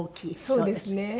そうですね。